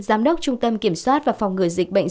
giám đốc trung tâm kiểm soát và phòng ngừa dịch bệnh